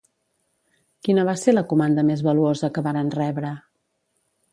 Quina va ser la comanda més valuosa que varen rebre?